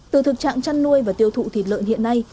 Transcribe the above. từ thực trạng chăn nuôi và tiêu thụ thịt lợn hiện nay